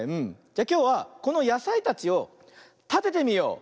じゃきょうはこのやさいたちをたててみよう。